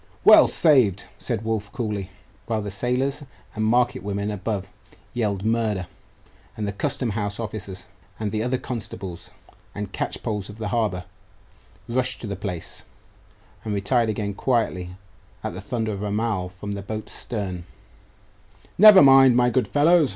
'Well saved!' said Wulf coolly, while the sailors and market women above yelled murder, and the custom house officers, and other constables and catchpolls of the harbour, rushed to the place and retired again quietly at the thunder of the Amal from the boat's stern 'Never mind, my good follows!